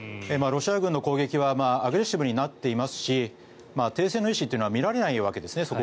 ロシア軍の攻撃はアグレッシブになっていますし停戦の意思というのは見られないわけですね。